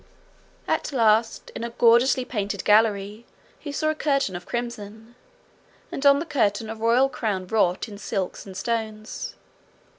At last, in a gorgeously painted gallery, he saw a curtain of crimson, and on the curtain a royal crown wrought in silks and stones.